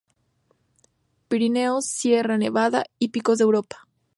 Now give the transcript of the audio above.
Pirineos, Sierra Nevada y Picos de Europa.